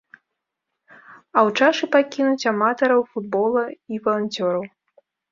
А ў чашы пакінуць аматараў футбола і валанцёраў.